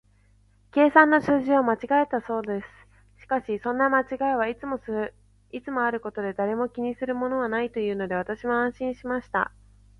計算の数字を間違えたのだそうです。しかし、そんな間違いはいつもあることで、誰も気にするものはないというので、私も少し安心しました。